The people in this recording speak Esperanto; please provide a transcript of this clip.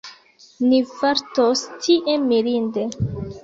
Ni fartos tie mirinde.